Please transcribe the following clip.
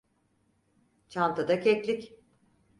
Çantada keklik.